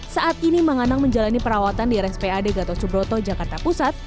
saat ini menganang menjalani perawatan di rspad gatot subroto jakarta pusat